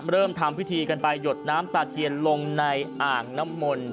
เริ่มทำพิธีกันไปหยดน้ำตาเทียนลงในอ่างน้ำมนต์